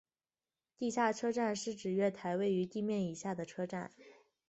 地下车站是指月台位于地面以下的车站。